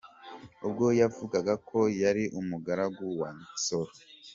Ubwo yavugaga ko yari umugaragu wa Nsoro.